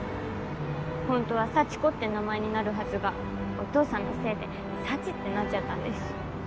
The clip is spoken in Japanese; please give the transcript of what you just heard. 本当は幸子って名前になるはずがお父さんのせいで幸ってなっちゃったんです。